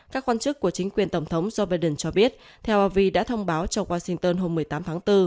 các quan chức của chính quyền tổng thống joe biden cho biết tel đã thông báo cho washington hôm một mươi tám tháng bốn